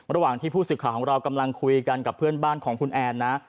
ระหว่างที่ผู้สื่อข่าวของเรากำลังคุยกันกับเพื่อนบ้านของคุณแอนนะ